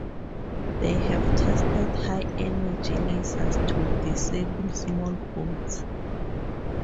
They have tested high energy lasers to disable small boats.